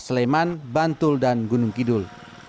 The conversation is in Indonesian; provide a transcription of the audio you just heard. sleman bantul dan gunung kidul